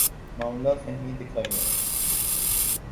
معاملہ فہمی دکھائیے۔